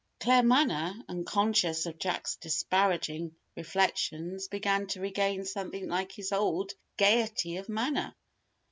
Claremanagh, unconscious of Jack's disparaging reflections, began to regain something like his old gaiety of manner.